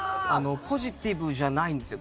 ポジティブじゃないんですよ